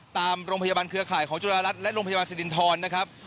ตามโรงพยาบาลเครือข่ายของจุฬารัฐและโรงพยาบาลสิรินทรนะครับ